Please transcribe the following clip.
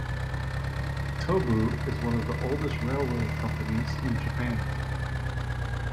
Tobu is one of the oldest railway companies in Japan.